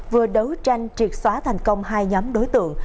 vừa đấu tranh triệt xóa thành công hai nhóm đối tượng